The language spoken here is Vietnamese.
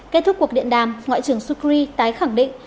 kết thúc cuộc điện đàm ngoại trưởng sukri tái khẳng định